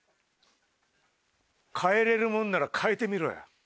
変えれるもんなら変えてみろよ。